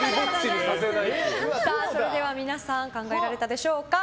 それでは皆さん考えられたでしょうか。